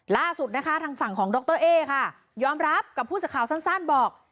ล่าสุดนะคะทางฝั่งของดรเอ๊ค่ะยอมรับกับผู้สื่อข่าวสั้นบอก